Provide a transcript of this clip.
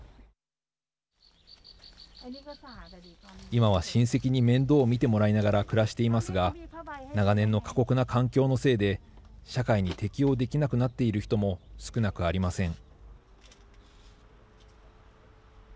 今は親戚に面倒を見てもらいながら暮らしていますが長年の過酷な環境のせいで社会に適応できなくなっている人も少なくありません。